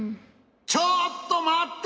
ちょっとまって！